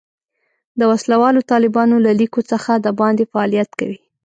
د وسله والو طالبانو له لیکو څخه د باندې فعالیت کوي.